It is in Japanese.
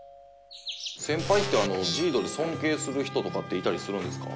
先輩ってＪＩＤＯに尊敬する人とかっていたりするんですか？